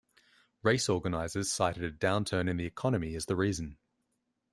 Race organizers cited a downturn in the economy as the reason.